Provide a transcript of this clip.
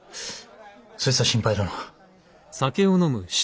そいつは心配だな。